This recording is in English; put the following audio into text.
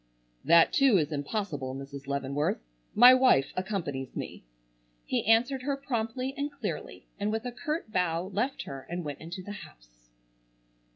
"That, too, is impossible, Mrs. Leavenworth. My wife accompanies me!" he answered her promptly and clearly and with a curt bow left her and went into the house.